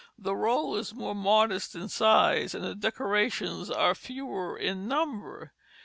The roll is more modest in size, and the decorations are fewer in number.